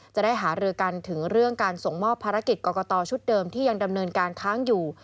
จะได้หารือกันถึงเรื่องการส่งมอบภารกิจกรกตชุดเดิมที่ยังดำเนินการค้างอยู่